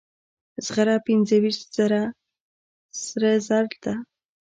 زغره پنځه ویشت زره سره زر ده.